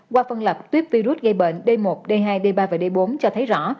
qua phân lập tuyếp virus gây bệnh d một d hai d ba và d bốn cho thấy rõ